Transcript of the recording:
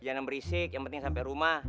jangan berisik yang penting sampai rumah